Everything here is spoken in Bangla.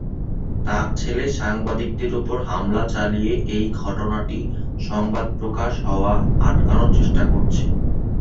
তার ছেলে সাংবাদিকদের উপর হামলা চালিয়ে এই ঘটনাটি সংবাদ প্রকাশ হওয়া আটকানোর চেষ্টা করছে।